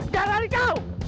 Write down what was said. jangan lari kau